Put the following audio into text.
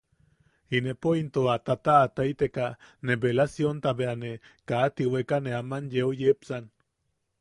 Inepo into a tataʼataiteka ne beelasionta bea ne kaa tiweka ne aman yeu yepsan.